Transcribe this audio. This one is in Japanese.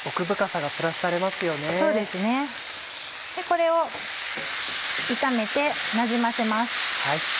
これを炒めてなじませます。